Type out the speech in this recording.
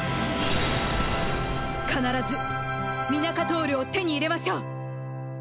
必ずミナカトールを手に入れましょう